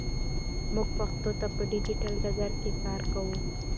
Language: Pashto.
موږ پښتو ته په ډیجیټل ډګر کې کار کوو.